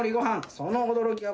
その驚きは。